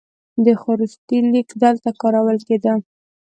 د خروشتي لیک دلته کارول کیده